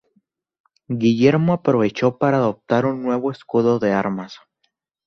Guillermo aprovechó para adoptar un nuevo escudo de armas.